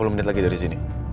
empat puluh menit lagi dari sini